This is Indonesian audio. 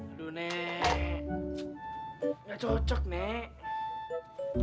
aduh nek gak cocok nih